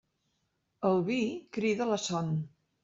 El vi crida la son.